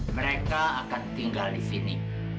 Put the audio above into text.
mereka akan tinggal disini